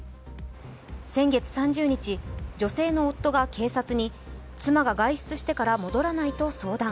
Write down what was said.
先月３０日、女性の夫が警察に妻が外出してから戻らないと相談。